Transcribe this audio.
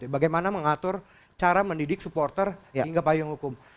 bagaimana mengatur cara mendidik supporter hingga payung hukum